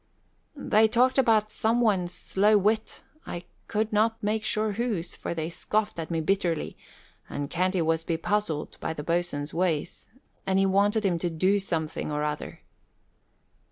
"They talked about some one's slow wit I could not make sure whose, for they scoffed at me bitterly and Canty was bepuzzled by the boatswain's ways, and he wanted him to do something or other."